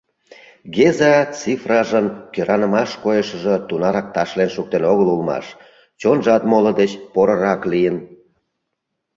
Геза Цифражын кӧранымаш койышыжо тунарак ташлен шуктен огыл улмаш, чонжат моло деч порырак лийын.